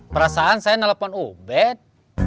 perasaan saya telepon ubed